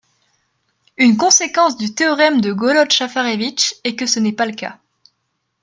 Une conséquence du théorème de Golod-Chafarevitch est que ce n’est pas le cas.